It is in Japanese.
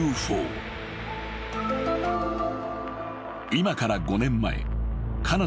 ［今から５年前］